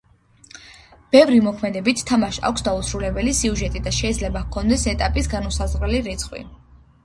ბევრ მოქმედებით თამაშს აქვს დაუსრულებელი სიუჟეტი და შეიძლება ჰქონდეს ეტაპების განუსაზღვრელი რიცხვი.